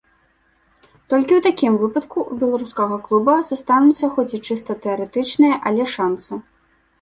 Толькі ў такім выпадку ў беларускага клуба застануцца хоць і чыста тэарэтычныя, але шанцы.